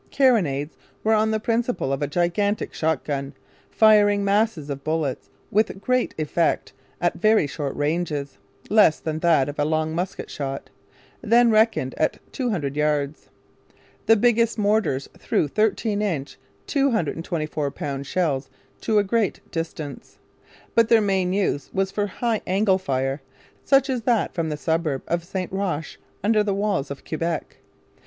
Carronades were on the principle of a gigantic shotgun, firing masses of bullets with great effect at very short ranges less than that of a long musket shot, then reckoned at two hundred yards. The biggest mortars threw 13 inch 224 lb shells to a great distance. But their main use was for high angle fire, such as that from the suburb of St Roch under the walls of Quebec.